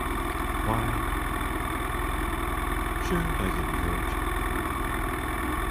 Why should I give you courage?